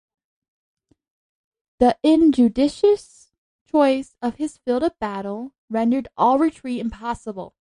The injudicious choice of his field of battle, rendered all retreat impossible.